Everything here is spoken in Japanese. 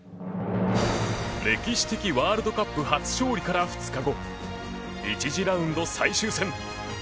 歴史的ワールドカップ初勝利から２日後１次ラウンド最終戦。